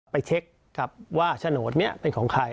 ไปเช็คครับว่าโฉนดนี้เป็นของใคร